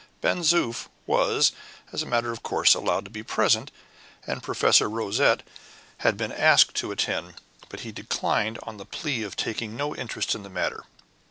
Ben Zoof was, as a matter of course, allowed to be present, and Professor Rosette had been asked to attend; but he declined on the plea of taking no interest in the matter.